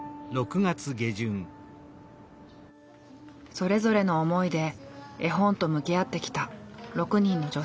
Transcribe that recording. それぞれの思いで絵本と向き合ってきた６人の女性たち。